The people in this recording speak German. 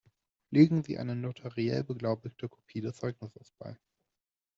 Legen Sie eine notariell beglaubigte Kopie des Zeugnisses bei.